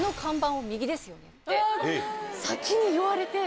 先に言われて。